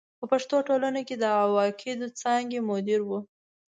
په پښتو ټولنه کې د قواعدو د څانګې مدیر و.